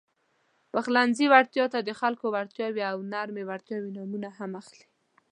خپلمنځي وړتیا ته د خلکو وړتیاوې او نرمې وړتیاوې نومونه هم اخلي.